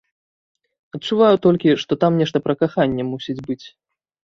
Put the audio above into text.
Адчуваю толькі, што там нешта пра каханне мусіць быць.